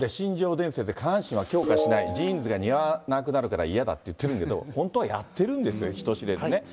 伝説で下半身は強化しない、ジーンズが似合わなくなるから嫌だって言ってるんですけど、本当はやってるんですよ、人知れずね。